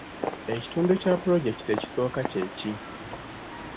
Ekitundu kya pulojekiti ekisooka kye ki?